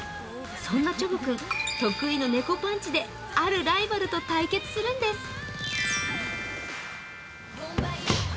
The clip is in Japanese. そんなちょぼ君、得の猫パンチであるライバルと対決するんです。